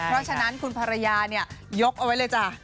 เพราะฉะนั้นคุณภรรยาเนี่ยยกเอาไว้เลยจ้ะ